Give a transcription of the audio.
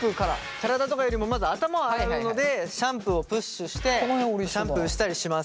体とかよりもまず頭を洗うのでシャンプーをプッシュしてシャンプーしたりします。